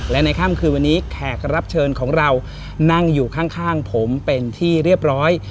และในค่ำคืนวันนี้แขกรับเชิญของเรานั่งอยู่ข้างผมเป็นที่เรียบร้อย